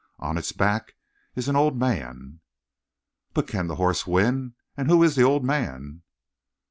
On its back is an old man." "But can the horse win? And who is the old man?"